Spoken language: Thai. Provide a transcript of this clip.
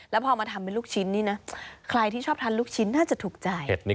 แล้วพอมาทำเป็นลูกชิ้นนี่นะใครที่ชอบทานลูกชิ้นน่าจะถูกใจ